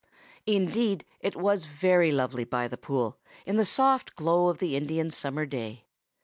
Indeed, it was very lovely by the pool, in the soft glow of the Indian summer day.